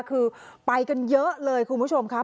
คือไปกันเยอะเลยคุณผู้ชมครับ